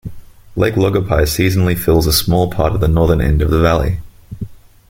Lake Logipi seasonally fills a small part of the northern end of the valley.